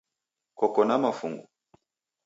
Koko na mafungu?